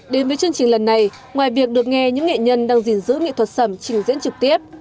đến với chương trình lần này ngoài việc được nghe những nghệ nhân đang gìn giữ nghệ thuật sẩm trình diễn trực tiếp